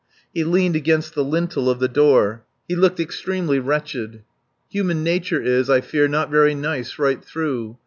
He leaned against the lintel of the door. He looked extremely wretched. Human nature is, I fear, not very nice right through.